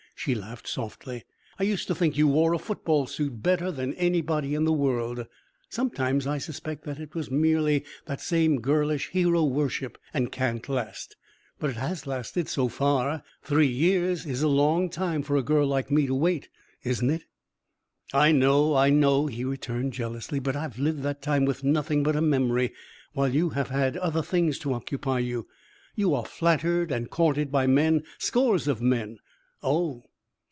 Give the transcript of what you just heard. She laughed softly. "I used to think you wore a football suit better than anybody in the world! Sometimes I suspect that it is merely that same girlish hero worship and can't last. But it has lasted so far. Three years is a long time for a girl like me to wait, isn't it?" "I know! I know!" he returned, jealously. "But I have lived that time with nothing but a memory, while you have had other things to occupy you. You are flattered and courted by men, scores of men " "Oh!"